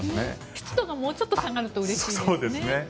湿度がもうちょっと下がるとうれしいですね。